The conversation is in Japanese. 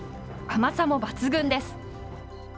甘さも抜群です。